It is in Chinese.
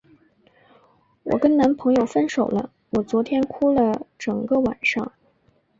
我跟男朋友分手了，我昨天哭了整个晚上。